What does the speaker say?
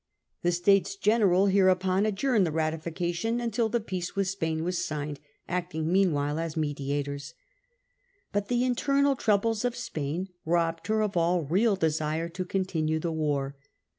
The States General hereupon adjourned the ratification until the peace with Spain was signed, acting meanwhile as mediators. But the internal troubles of Spain robbed her of all 1678. Peace between France and Spain . 261 real desire to continue the war.